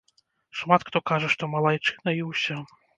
Шмат хто кажа, што малайчына, і ўсё.